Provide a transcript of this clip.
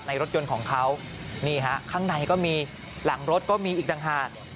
รถยนต์ของเขานี่ฮะข้างในก็มีหลังรถก็มีอีกต่างหาก